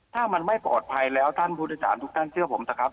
ถ้ามันไม่ปลอดภัยแล้วท่านผู้โดยสารทุกท่านเชื่อผมเถอะครับ